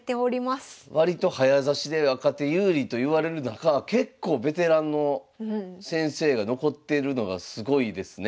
これだから割と早指しで若手有利といわれる中結構ベテランの先生が残ってるのがすごいですね。